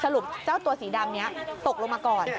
เจ้าตัวสีดำนี้ตกลงมาก่อน